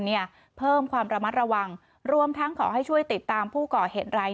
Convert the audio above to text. ให้เวลาเข้าอเวลากลางเทียมที่พอในโลกโซเชียล